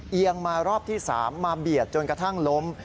เอียงมารอบที่๓มาเบียดจนกระทั่งล้ม